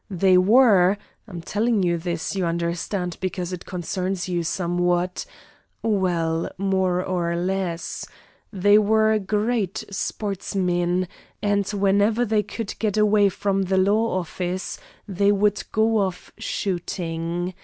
They were I'm telling you this, you understand, because it concerns you somewhat: well, more or less. They were great sportsmen, and whenever they could get away from the law office they would go off shooting.